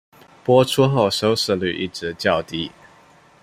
播出后收视率一直较低。